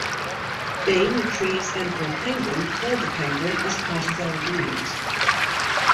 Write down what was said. Bane retrieves Emperor Penguin for the Penguin as part of their agreement.